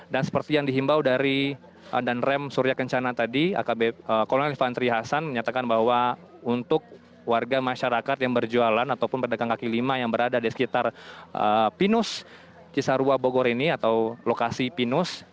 dan seperti yang dihimbau dari dan rem surya kencanan tadi kolonel elefantri hasan menyatakan bahwa untuk warga masyarakat yang berjualan ataupun perdagang kaki lima yang berada di sekitar pinus cisarua bogor ini atau lokasi pinus